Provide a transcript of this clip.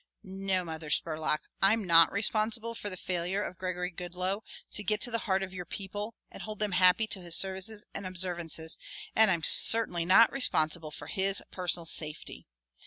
"No, Mother Spurlock, I'm not responsible for the failure of Gregory Goodloe to get to the heart of your people and hold them happy to his services and observances, and I'm certainly not responsible for his personal safety.